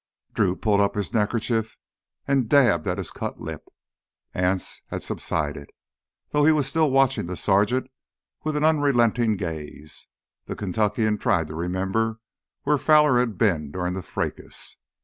Drew pulled up his neckerchief and dabbed at his cut lip. Anse had subsided, though he was still watching the sergeant with an unrelenting gaze. The Kentuckian tried to remember where Fowler had been during the fracas.